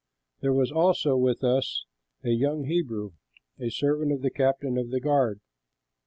There was also with us a young Hebrew, a servant of the captain of the guard.